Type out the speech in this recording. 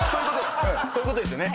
こういうことですよね。